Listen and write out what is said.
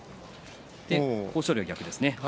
豊昇龍は逆ですね。